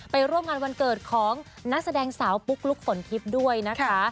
ร่วมงานวันเกิดของนักแสดงสาวปุ๊กลุ๊กฝนทิพย์ด้วยนะคะ